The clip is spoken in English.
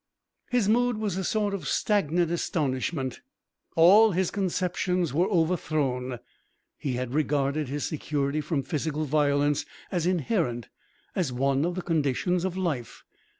His mood was a sort of stagnant astonishment. All his conceptions were overthrown. He had regarded his security from physical violence as inherent, as one of the conditions of life.